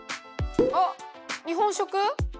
あっ日本食？